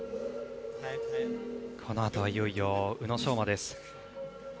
このあとはいよいよ宇野昌磨です。